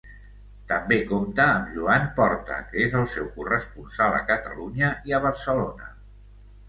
També compta amb Joan Porta que és el seu corresponsal a Catalunya i a Barcelona.